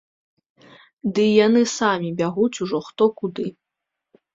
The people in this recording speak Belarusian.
Ды і яны самі бягуць ужо хто куды.